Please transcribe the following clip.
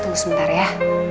tunggu sebentar ya